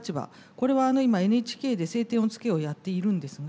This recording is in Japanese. これは今ＮＨＫで「青天を衝け」をやっているんですが